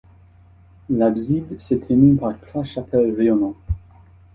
L’abside se termine par trois chapelles rayonnantes.